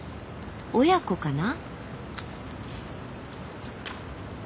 親子かな？